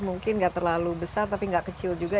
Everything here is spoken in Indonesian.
mungkin gak terlalu besar tapi gak kecil juga